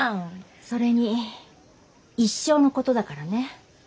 それに一生のことだからね。